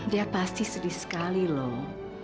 dia pasti sedih sekali loh